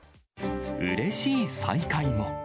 うれしい再会も。